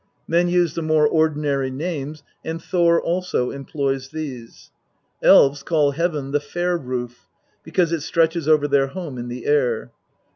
Men use the more ordinary names, and Thor also employs these. Elves call Heaven the Fair roof, because it stretches over their home in the air.